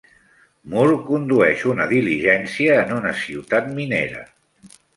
Moore condueix una diligència en una ciutat minera.